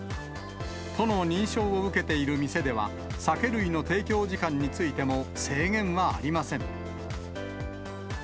都の認証を受けている店では、酒類の提供時間についても制限はありません。